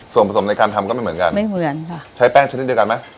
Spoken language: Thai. ส่วนผสมในการทำก็ไม่เหมือนกันใช้แป้งชนิดเดียวกันไหม